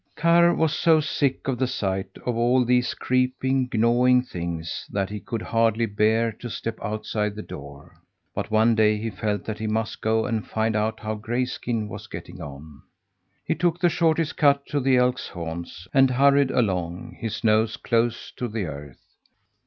Karr was so sick of the sight of all these creeping, gnawing things that he could hardly bear to step outside the door. But one day he felt that he must go and find out how Grayskin was getting on. He took the shortest cut to the elk's haunts, and hurried along his nose close to the earth.